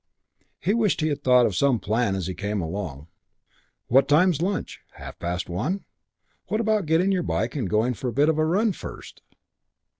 He wished he had thought of some plan as he came along. "What time's lunch? Half past one? What about getting your bike and going for a bit of a run first?"